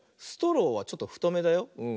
ストローはちょっとふとめだよ。